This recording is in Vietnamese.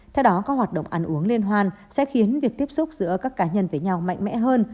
theo đó các hoạt động ăn uống liên hoan sẽ khiến việc tiếp xúc giữa các cá nhân với nhau mạnh mẽ hơn